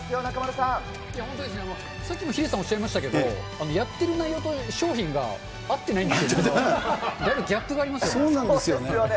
さっきもヒデさんおっしゃいましたけど、やっている内容と商品が合ってないんですけど、だいぶギャップがそうなんですよ。